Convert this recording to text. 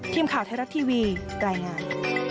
ทีมข่าวไทยรัฐทีวีรายงาน